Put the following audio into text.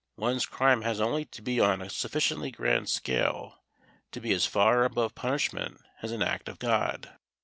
One's crime has only to be on a sufficiently grand scale to be as far above punishment as an act of God.